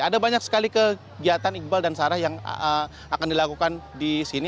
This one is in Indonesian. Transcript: ada banyak sekali kegiatan iqbal dan sarah yang akan dilakukan di sini